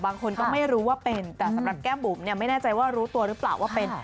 บางคนก็ไม่รู้ว่าเป็นแต่สำหรับแก้มบุ๋มเนี่ยไม่แน่ใจว่ารู้ตัวหรือเปล่าว่าเป็น